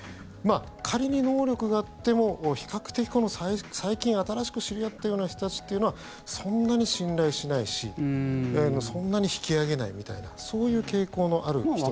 仮に能力があっても比較的、最近新しく知り合ったような人たちっていうのはそんなに信頼しないしそんなに引き上げないみたいなそういう傾向のある人です。